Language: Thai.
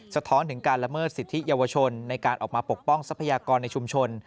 สะท้อนถึงการละเมิดสิทธิเยาวชนในการออกมาปกป้องทรัพยากรในชุมชน